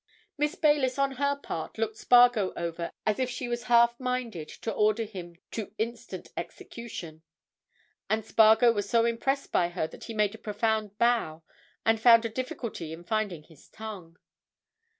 Miss Baylis, on her part, looked Spargo over as if she was half minded to order him to instant execution. And Spargo was so impressed by her that he made a profound bow and found a difficulty in finding his tongue.